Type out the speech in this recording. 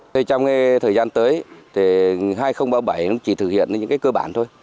trong thời gian tới hai nghìn ba mươi bảy chỉ thực hiện những cơ bản thôi